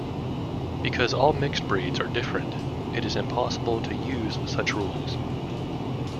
Because all mixed breeds are different, it is impossible to use such rules.